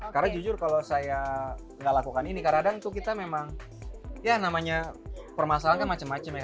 karena jujur kalau saya enggak lakukan ini karena kadang tuh kita memang ya namanya permasalahan kan macam macam ya